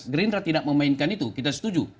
gerindra tidak memainkan itu kita setuju